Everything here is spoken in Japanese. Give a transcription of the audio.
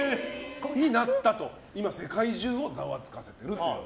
今、世界中をざわつかせていると。